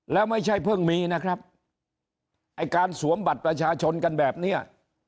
แล้วไม่ใช่เพิ่งมีนะครับไอ้การสวมบัตรประชาชนกันแบบเนี้ย